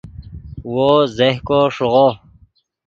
وو زیہکو ݰیغو